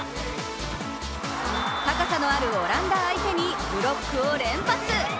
高さのあるオランダ相手にブロックを連発。